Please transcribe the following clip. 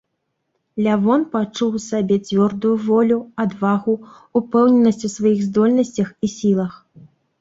Лявон пачуў у сабе цвёрдую волю, адвагу, упэўненасць у сваіх здольнасцях і сілах.